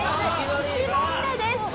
１問目です。